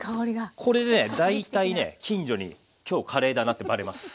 これね大体ね近所に「今日カレーだな」ってバレます。